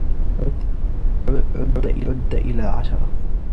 عد الي عشرة.